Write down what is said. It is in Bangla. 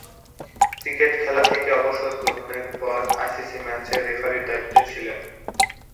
ক্রিকেট খেলা থেকে অবসর গ্রহণের পর আইসিসি ম্যাচ রেফারির দায়িত্বে ছিলেন।